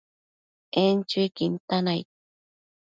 En chuiquin tan aid